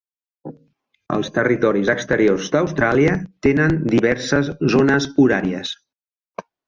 Els territoris exteriors d'Austràlia tenen diverses zones horàries.